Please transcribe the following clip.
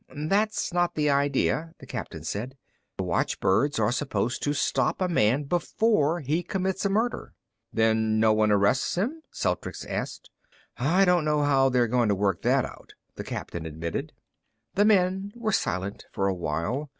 "That's not the idea," the captain said. "The watchbirds are supposed to stop a man before he commits a murder." "Then no one arrests him?" Celtrics asked. "I don't know how they're going to work that out," the captain admitted. The men were silent for a while.